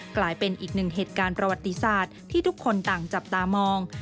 กลายเป็นอีกหนึ่งเหตุการณ์ประวัติศาสตร์ที่ทุกคนต่างจับตามอง